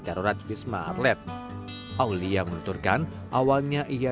sepanjang setelah ketika bellevue nasional oluyor